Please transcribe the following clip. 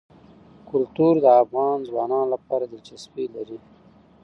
کلتور د افغان ځوانانو لپاره دلچسپي لري.